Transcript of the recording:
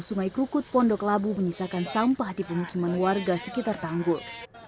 sungai krukut pondok labu menyisakan sampah di pemukiman warga sekitar tanggul